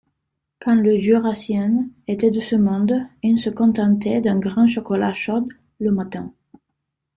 Quand le Jurassien était de ce monde, il se contentait d’un grand chocolat chaud le matin